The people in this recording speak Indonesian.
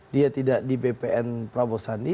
dia tidak di bpn prabowo sandi